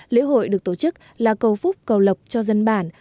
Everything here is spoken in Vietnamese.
lễ hội được tổ chức là cầu phúc cầu lộc cho dân bản